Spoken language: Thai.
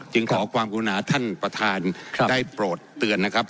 ขอความกรุณาท่านประธานได้โปรดเตือนนะครับ